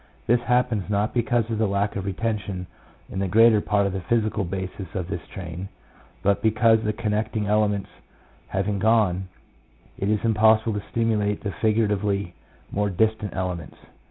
This happens, not because of the lack of retention in the greater part of the physical basis of this train, but because the connecting ele ments having gone, it is impossible to stimulate the figuratively more distant elements.